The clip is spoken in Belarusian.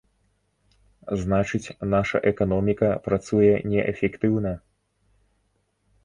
Значыць, наша эканоміка працуе неэфектыўна?